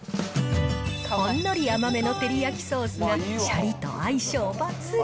ほんのり甘めの照り焼きソースがシャリと相性抜群。